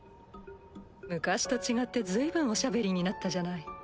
昔と違って随分おしゃべりになったじゃない。